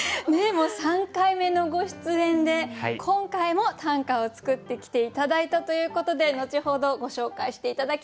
もう３回目のご出演で今回も短歌を作ってきて頂いたということで後ほどご紹介して頂きたいと思います。